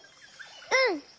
うん！